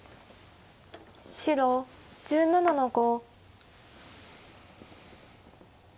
白１７の五。